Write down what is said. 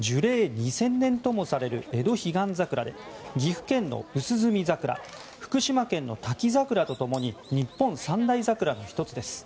２０００年ともされるエドヒガンザクラで岐阜県の淡墨桜福島県の滝桜とともに日本三大桜の１つです。